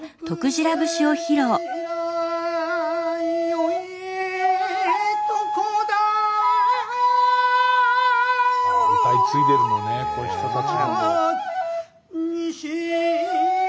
歌い継いでるのねこういう人たち。